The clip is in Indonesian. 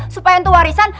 supaya entu warisan